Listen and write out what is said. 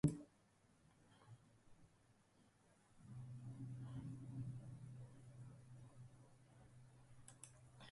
Zinegileak betidanik sagaren jarraitzaile izan dela aitortu du.